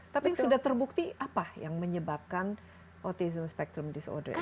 tapi sudah terbukti apa yang menyebabkan autism spektrum disorder